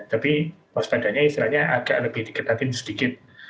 tapi waspadahnya istilahnya agak lebih diketahui sedikit